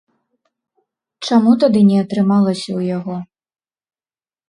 Чаму тады не атрымалася ў яго?